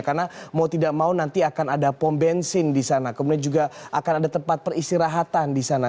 karena mau tidak mau nanti akan ada pom bensin di sana kemudian juga akan ada tempat peristirahatan di sana